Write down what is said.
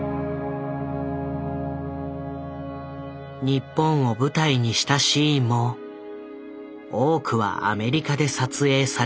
日本を舞台にしたシーンも多くはアメリカで撮影されていた。